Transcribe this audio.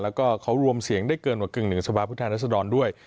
แล้วก็เขารวมเสียงได้เกินกว่า๑๕สภาพุทธรรษฎรด้วย